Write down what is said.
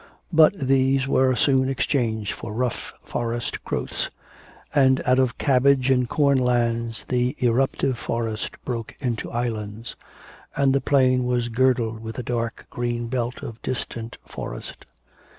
But these were soon exchanged for rough forest growths; and out of cabbage and corn lands the irruptive forest broke into islands; and the plain was girdled with a dark green belt of distant forest.